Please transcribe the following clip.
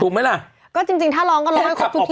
ไหมล่ะก็จริงจริงถ้าร้องก็ร้องให้ครบทุกที่